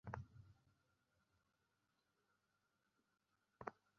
আচ্ছা, ওরা কারা ছিল, সত্যি জানার সময় হয়ে গেছে।